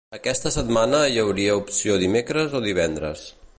Aquesta setmana hi hauria opció dimecres o divendres.